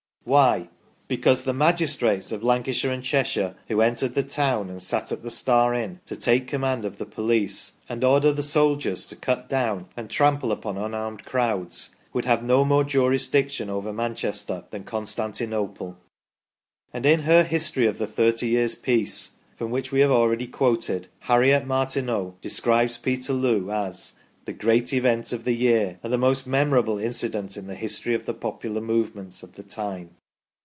Why ? Because THE PETERLOO MEDAL Note the women and children, and the Cap of Liberty held aloft in the centre THE SEQUEL 45 the magistrates of Lancashire and Cheshire, who entered the town and sat at the Star Inn to take command of the police, and order the soldiers to cut down and trample upon unarmed crowds, would have no more jurisdiction over Manchester than Constantinople "; and in her " History of the Thirty Years' Peace," from which we have already quoted, Harriet Martineau describes Peterloo as "the great event of the year, and the most memorable incident in the history of the popular movements of the time